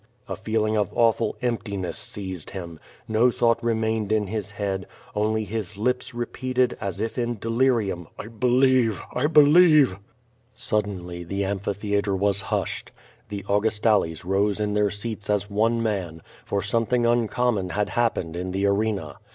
A feeling of awful emptiness seized him. No thought remained in his head, only his lips repeated, as if in delirium: "I be lieve! I believe!'* Suddenly the amphitheatre was hushed. The Augustales rose in their seats as one man, for something uncommon had happened in the arena.